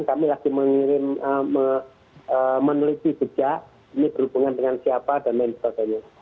kami masih meneliti sejak ini berhubungan dengan siapa dan lain sebagainya